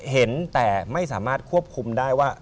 เห็นแต่ไม่สามารถควบคุมได้ว่า